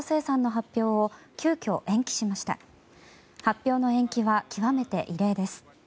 発表の延期は極めて異例です。